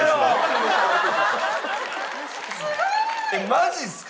マジっすか？